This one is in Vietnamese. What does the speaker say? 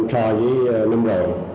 so với năm rồi